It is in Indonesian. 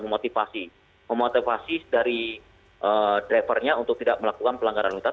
memotivasi dari drivernya untuk tidak melakukan pelanggaran unitas